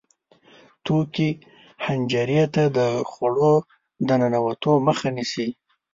توکې حنجرې ته د خوړو د ننوتو مخه نیسي.